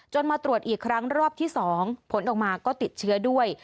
มาตรวจอีกครั้งรอบที่๒ผลออกมาก็ติดเชื้อด้วย